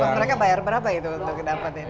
mereka bayar berapa gitu untuk dapat ini